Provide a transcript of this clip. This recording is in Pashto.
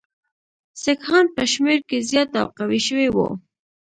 سیکهان په شمېر کې زیات او قوي شوي وو.